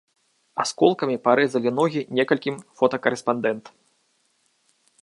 Асколкамі парэзалі ногі некалькім фотакарэспандэнт.